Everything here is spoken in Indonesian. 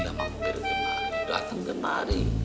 lama bergenari dateng genari